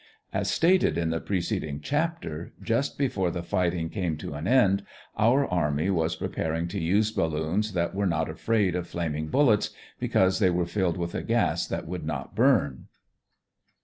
As stated in the preceding chapter, just before the fighting came to an end, our army was preparing to use balloons that were not afraid of flaming bullets, because they were to be filled with a gas that would not burn.